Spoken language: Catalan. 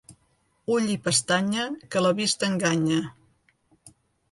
Ull i pestanya, que la vista enganya.